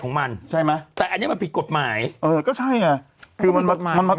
ของมันใช่ไหมแต่อันนี้มันผิดกฎหมายเออก็ใช่ไงคือมันมามันมา